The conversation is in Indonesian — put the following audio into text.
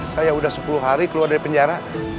saya sudah sepuluh hari keluar dari penjara